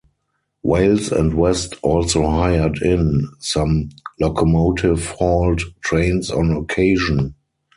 Wales and West also hired-in some locomotive-hauled trains on occasion.